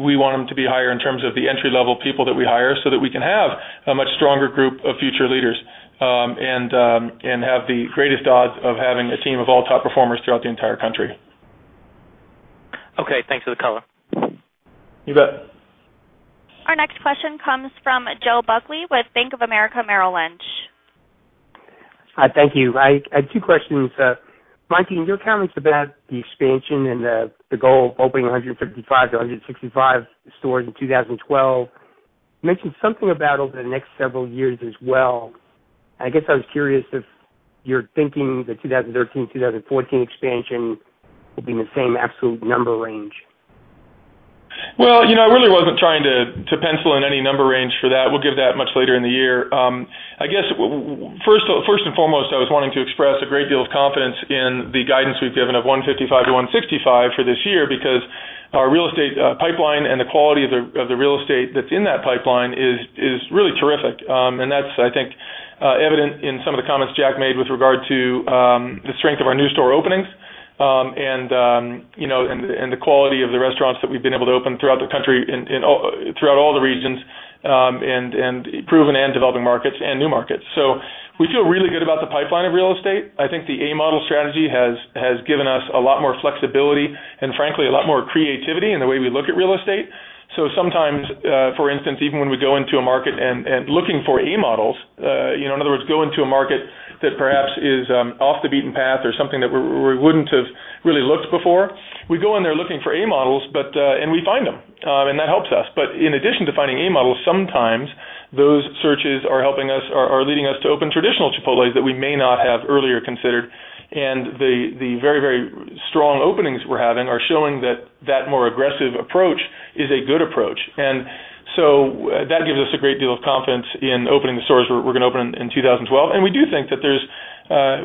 we want them to be higher in terms of the entry-level people that we hire so that we can have a much stronger group of future leaders and have the greatest odds of having a team of all top performers throughout the entire country. Okay, thanks for the comment. You bet. Our next question comes from Joe Buckley with Bank of America Merrill Lynch. Hi, thank you. I had two questions. Monty, in your comments about the expansion and the goal of opening 135-165 stores in 2012, you mentioned something about over the next several years as well. I guess I was curious if you're thinking the 2013-2014 expansion would be in the same absolute number range. I really wasn't trying to pencil in any number range for that. We'll give that much later in the year. I guess first and foremost, I was wanting to express a great deal of confidence in the guidance we've given of 155-165 for this year because our real estate pipeline and the quality of the real estate that's in that pipeline is really terrific. That's, I think, evident in some of the comments Jack made with regard to the strength of our new store openings and the quality of the restaurants that we've been able to open throughout the country and throughout all the regions and proven and developing markets and new markets. We feel really good about the pipeline of real estate. I think the A-model strategy has given us a lot more flexibility and frankly a lot more creativity in the way we look at real estate. Sometimes, for instance, even when we go into a market and looking for A-models, in other words, go into a market that perhaps is off the beaten path or something that we wouldn't have really looked before, we go in there looking for A-models, and we find them, and that helps us. In addition to finding A-models, sometimes those searches are helping us or leading us to open traditional Chipotle locations that we may not have earlier considered. The very, very strong openings we're having are showing that that more aggressive approach is a good approach. That gives us a great deal of confidence in opening the stores we're going to open in 2012. We do think that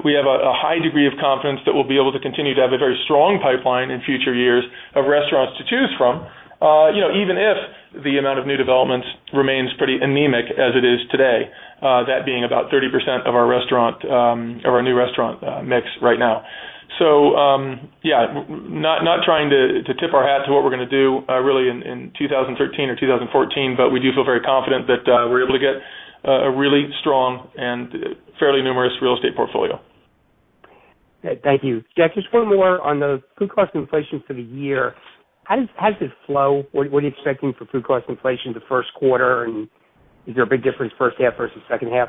we have a high degree of confidence that we'll be able to continue to have a very strong pipeline in future years of restaurants to choose from, even if the amount of new developments remains pretty anemic as it is today, that being about 30% of our new restaurant mix right now. Not trying to tip our hat to what we're going to do in 2013 or 2014, but we do feel very confident that we're able to get a really strong and fairly numerous real estate portfolio. Thank you. Jack, just one more on the food cost inflation for the year. How does it flow? What are you expecting for food cost inflation the first quarter, and is there a big difference first half versus second half?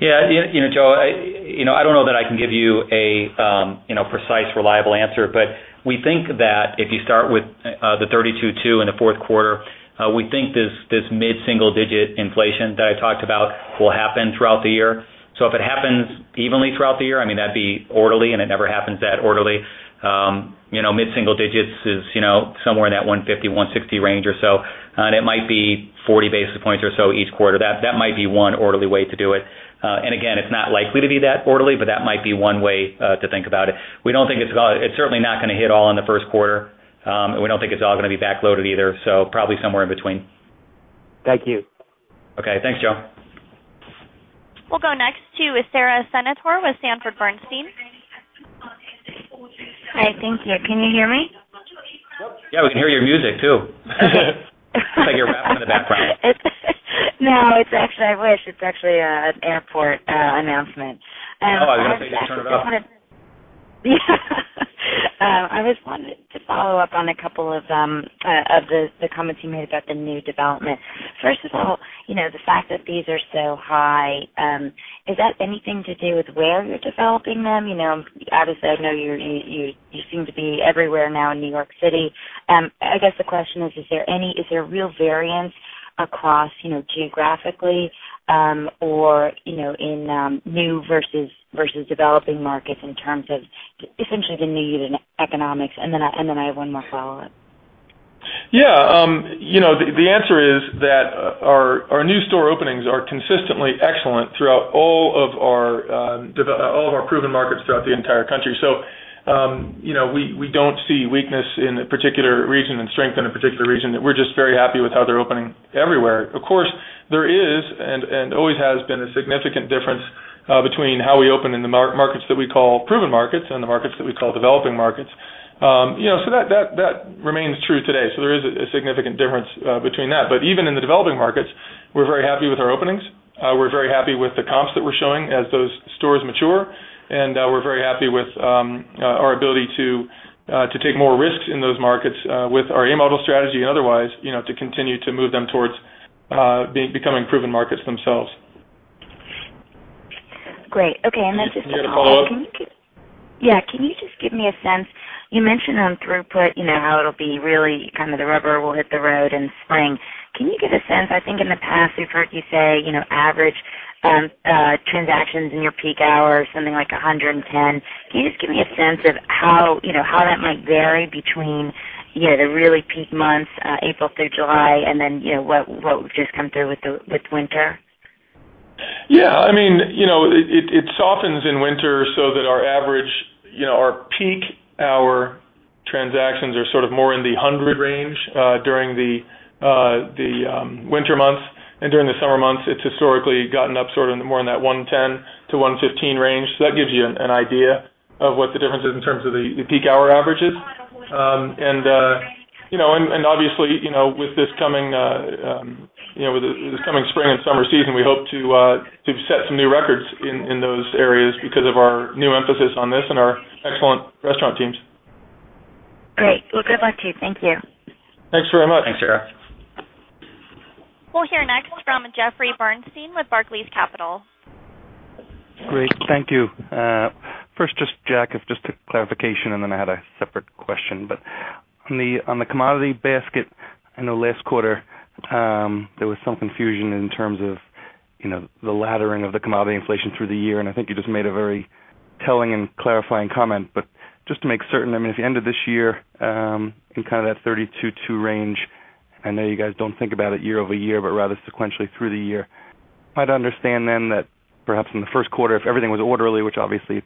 Yeah, you know, Joe, I don't know that I can give you a precise, reliable answer, but we think that if you start with the 32.2% in the fourth quarter, we think this mid-single digit inflation that I talked about will happen throughout the year. If it happens evenly throughout the year, that would be orderly, and it never happens that orderly. Mid-single digits is somewhere in that 1.50%-1.60% range or so, and it might be 40 basis points or so each quarter. That might be one orderly way to do it. Again, it's not likely to be that orderly, but that might be one way to think about it. We don't think it's certainly not going to hit all in the first quarter. We don't think it's all going to be backloaded either, probably somewhere in between. Thank you. Okay, thanks, Joe. We'll go next to Sara Senatore with Sanford C. Bernstein. Hi, thank you. Can you hear me? Yeah, we can hear your music too. It's like you're rapping in the background. No, it's actually, I wish, it's actually an airport announcement. Oh, I was going to say, did it turn it off? Yeah, I just wanted to follow up on a couple of the comments you made about the new development. First of all, the fact that these are so high, is that anything to do with where you're developing them? Obviously, I know you seem to be everywhere now in New York City. I guess the question is, is there any real variance across, geographically, or in new versus developing markets in terms of essentially the need and economics? I have one more follow-up. Yeah, you know, the answer is that our new store openings are consistently excellent throughout all of our proven markets throughout the entire country. We don't see weakness in a particular region and strength in a particular region. We're just very happy with how they're opening everywhere. Of course, there is and always has been a significant difference between how we open in the markets that we call proven markets and the markets that we call developing markets. That remains true today. There is a significant difference between that. Even in the developing markets, we're very happy with our openings. We're very happy with the comps that we're showing as those stores mature. We're very happy with our ability to take more risks in those markets with our A-model strategy and otherwise, to continue to move them towards becoming proven markets themselves. Great. Okay. Can you add a follow-up? Yeah, can you just give me a sense? You mentioned on throughput, you know, how it'll be really kind of the rubber will hit the road in spring. Can you give a sense? I think in the past we've heard you say, you know, average transactions in your peak hours, something like 110. Can you just give me a sense of how, you know, how that might vary between, you know, the really peak months, April through July, and then, you know, what just comes through with winter? Yeah, I mean, it softens in winter so that our average, you know, our peak hour transactions are sort of more in the 100 range during the winter months. During the summer months, it's historically gotten up sort of more in that 110-115 range. That gives you an idea of what the difference is in terms of the peak hour averages. Obviously, you know, with this coming spring and summer season, we hope to set some new records in those areas because of our new emphasis on this and our excellent restaurant teams. All right. Good luck to you. Thank you. Thanks very much. Thanks, Sarah. We'll hear next from Jeffrey Bernstein with Barclays Capital. Great, thank you. First, Jack, just a clarification, and then I had a separate question. On the commodity basket, I know last quarter there was some confusion in terms of the laddering of the commodity inflation through the year. I think you just made a very telling and clarifying comment. Just to make certain, if you ended this year in kind of that 32-2 range, I know you guys don't think about it year over year, but rather sequentially through the year. Am I to understand then that perhaps in the first quarter, if everything was orderly, which obviously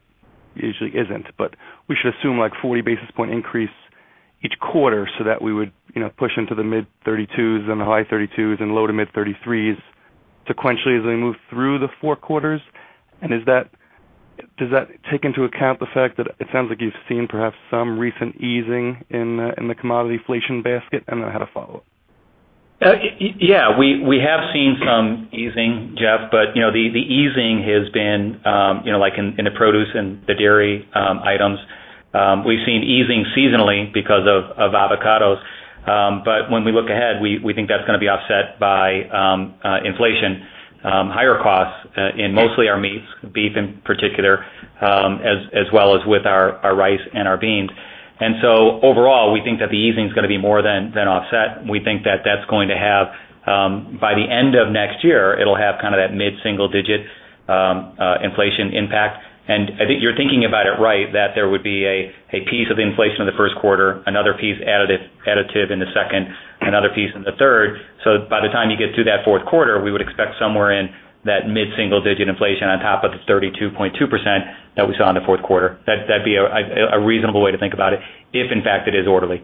usually isn't, we should assume like a 40 basis point increase each quarter so that we would push into the mid 32s and the high 32s and low to mid 33s sequentially as we move through the four quarters? Does that take into account the fact that it sounds like you've seen perhaps some recent easing in the commodity inflation basket? I had a follow-up. Yeah, we have seen some easing, Jeff, but the easing has been in the produce and the dairy items. We've seen easing seasonally because of avocados. When we look ahead, we think that's going to be offset by inflation, higher costs in mostly our meats, beef in particular, as well as with our rice and our beans. Overall, we think that the easing is going to be more than offset. We think that that's going to have, by the end of next year, it'll have kind of that mid-single digit inflation impact. I think you're thinking about it right, that there would be a piece of inflation in the first quarter, another piece additive in the second, another piece in the third. By the time you get through that fourth quarter, we would expect somewhere in that mid-single digit inflation on top of the 32.2% that we saw in the fourth quarter. That'd be a reasonable way to think about it, if in fact it is orderly.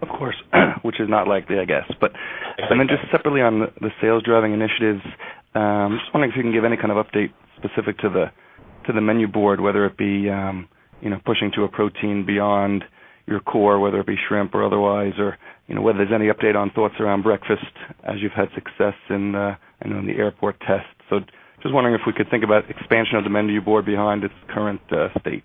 Of course, which is not likely, I guess. Just separately on the sales driving initiatives, I want to see if you can give any kind of update specific to the menu board, whether it be pushing to a protein beyond your core, whether it be shrimp or otherwise, or whether there's any update on thoughts around breakfast, as you've had success in the airport tests. I'm just wondering if we could think about expansion of the menu board behind its current state.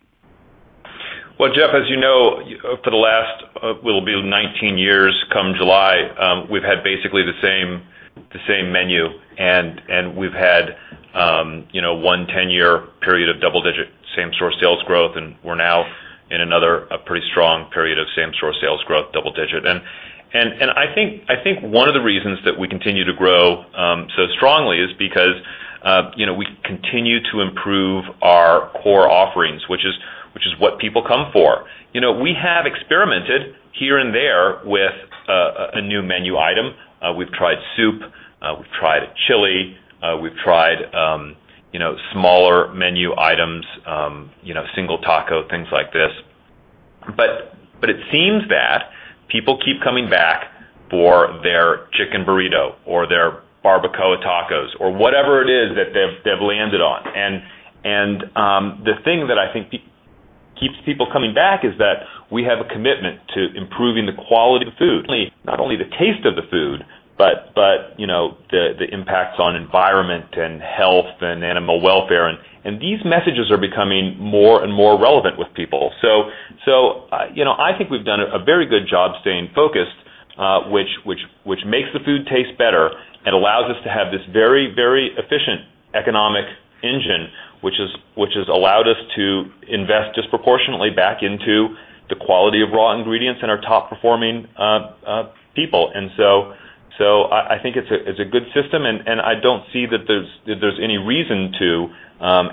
As you know, for the last, it'll be 19 years come July, we've had basically the same menu. We've had, you know, one 10-year period of double-digit same-store sales growth, and we're now in another pretty strong period of same-store sales growth, double-digit. I think one of the reasons that we continue to grow so strongly is because, you know, we continue to improve our core offerings, which is what people come for. We have experimented here and there with a new menu item. We've tried soup, we've tried a chili, we've tried, you know, smaller menu items, you know, single taco, things like this. It seems that people keep coming back for their chicken burrito or their barbacoa tacos or whatever it is that they've landed on. The thing that I think keeps people coming back is that we have a commitment to improving the quality of the food. Not only the taste of the food, but, you know, the impacts on environment and health and animal welfare. These messages are becoming more and more relevant with people. I think we've done a very good job staying focused, which makes the food taste better and allows us to have this very, very efficient economic engine, which has allowed us to invest disproportionately back into the quality of raw ingredients and our top-performing people. I think it's a good system, and I don't see that there's any reason to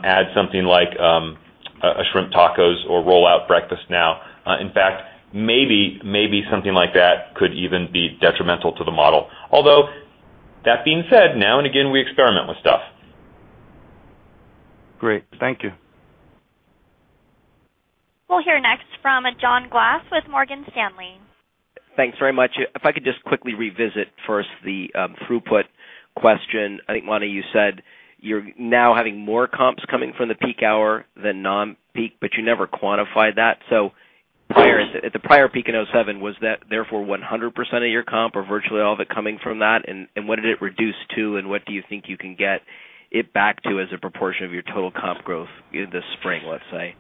add something like a shrimp tacos or roll-out breakfast now. In fact, maybe something like that could even be detrimental to the model. Although, that being said, now and again, we experiment with stuff. Great, thank you. We'll hear next from John Glass with Morgan Stanley. Thanks very much. If I could just quickly revisit first the throughput question, I think, Monty, you said you're now having more comps coming from the peak hour than non-peak, but you never quantified that. Where at the prior peak in 2007 was that therefore 100% of your comp or virtually all of it coming from that? What did it reduce to, and what do you think you can get it back to as a proportion of your total comp growth in this spring, let's say?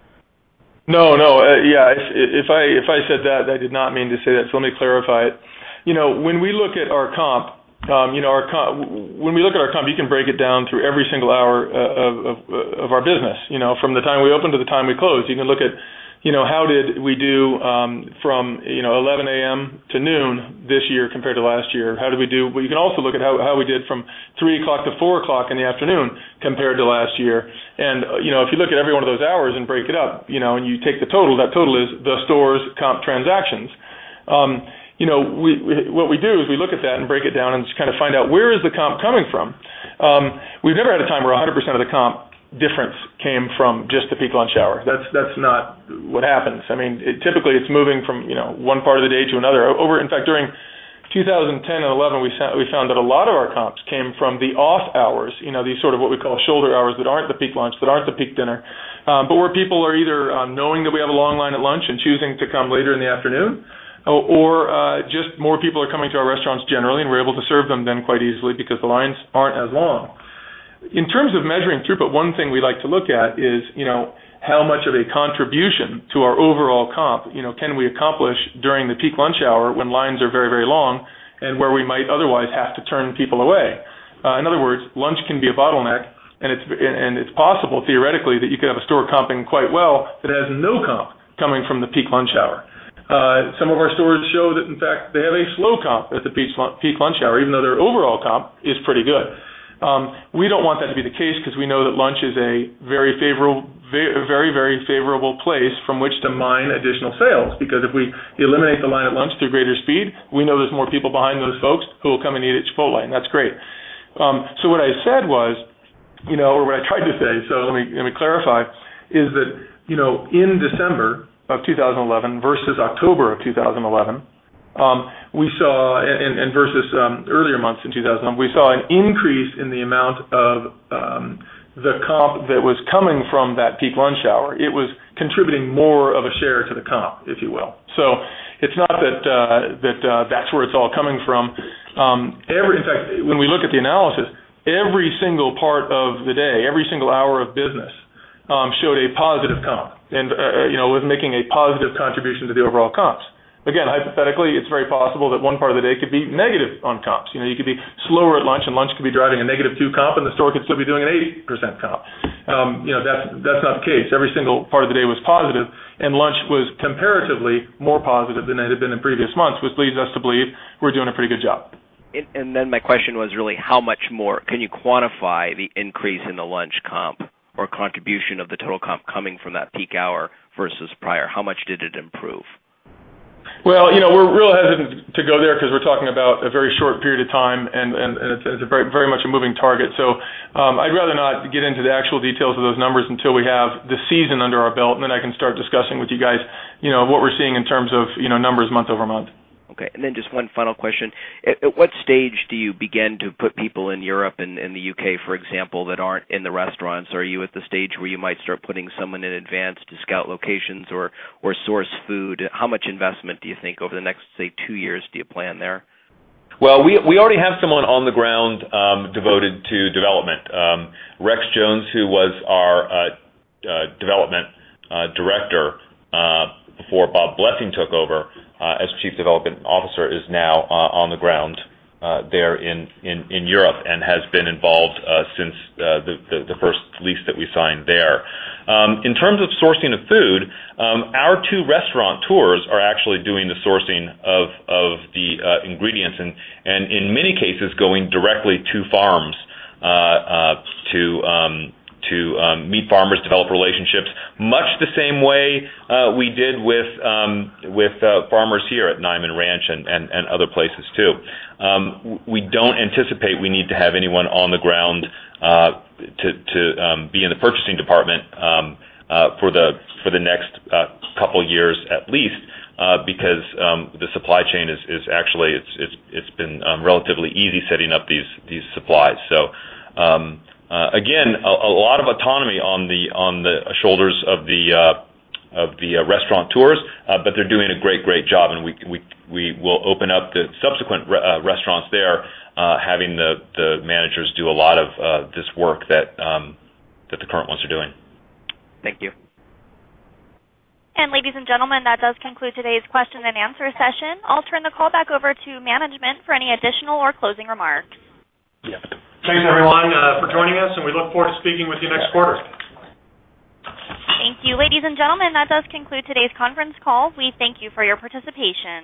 If I said that, I did not mean to say that, so let me clarify it. When we look at our comp, you can break it down through every single hour of our business. From the time we open to the time we close, you can look at how did we do from 11:00 A.M. to noon this year compared to last year. You can also look at how we did from 3:00 P.M. to 4:00 P.M. compared to last year. If you look at every one of those hours and break it up, and you take the total, that total is the store's comp transactions. What we do is we look at that and break it down and just kind of find out where is the comp coming from. We've never had a time where 100% of the comp difference came from just the peak lunch hours. That's not what happens. Typically it's moving from one part of the day to another. In fact, during 2010 and 2011, we found that a lot of our comps came from the off hours, these sort of what we call shoulder hours that aren't the peak lunch, that aren't the peak dinner, but where people are either knowing that we have a long line at lunch and choosing to come later in the afternoon, or just more people are coming to our restaurants generally, and we're able to serve them then quite easily because the lines aren't as long. In terms of measuring throughput, one thing we like to look at is how much of a contribution to our overall comp can we accomplish during the peak lunch hour when lines are very, very long and where we might otherwise have to turn people away. In other words, lunch can be a bottleneck, and it's possible theoretically that you could have a store comping quite well that has no comp coming from the peak lunch hour. Some of our stores show that, in fact, they have a slow comp at the peak lunch hour, even though their overall comp is pretty good. We don't want that to be the case because we know that lunch is a very, very, very favorable place from which to mine additional sales. If we eliminate the line at lunch through greater speed, we know there's more people behind those folks who will come and eat at Chipotle, and that's great. What I said was, or what I tried to say, so let me clarify, is that in December 2011 versus October 2011, we saw, and versus earlier months in. We saw an increase in the amount of the comp that was coming from that peak lunch hour. It was contributing more of a share to the comp, if you will. It's not that that's where it's all coming from. In fact, when we look at the analysis, every single part of the day, every single hour of business showed a positive comp and was making a positive contribution to the overall comps. Again, hypothetically, it's very possible that one part of the day could be negative on comps. You could be slower at lunch and lunch could be driving a -2% comp and the store could still be doing an 80% comp. That's not the case. Every single part of the day was positive, and lunch was comparatively more positive than it had been in previous months, which leads us to believe we're doing a pretty good job. How much more can you quantify the increase in the lunch comp or contribution of the total comp coming from that peak hour versus prior? How much did it improve? We're real hesitant to go there because we're talking about a very short period of time, and it's very much a moving target. I'd rather not get into the actual details of those numbers until we have the season under our belt, and then I can start discussing with you guys what we're seeing in terms of numbers month over month. Okay, and then just one final question. At what stage do you begin to put people in Europe and in the U.K., for example, that aren't in the restaurants? Are you at the stage where you might start putting someone in advance to scout locations or source food? How much investment do you think over the next, say, two years do you plan there? We already have someone on the ground devoted to development. Rex Jones, who was our Development Director before Bob Blessing took over as Chief Development Officer, is now on the ground there in Europe and has been involved since the first lease that we signed there. In terms of sourcing of food, our two restaurateurs are actually doing the sourcing of the ingredients and, in many cases, going directly to farms to meet farmers, develop relationships, much the same way we did with farmers here at Niman Ranch and other places too. We don't anticipate we need to have anyone on the ground to be in the purchasing department for the next couple of years at least because the supply chain is actually, it's been relatively easy setting up these supplies. A lot of autonomy is on the shoulders of the restaurateurs, but they're doing a great, great job, and we will open up the subsequent restaurants there, having the managers do a lot of this work that the current ones are doing. Thank you. Ladies and gentlemen, that does conclude today's question and answer session. I'll turn the call back over to management for any additional or closing remarks. Thanks, everyone, for joining us. We look forward to speaking with you next quarter. Thank you, ladies and gentlemen. That does conclude today's conference call. We thank you for your participation.